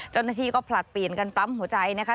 เจ้าหน้าที่ก็ผลัดเปลี่ยนกันปั๊มหัวใจนะคะ